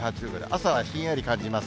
朝はひんやり感じます。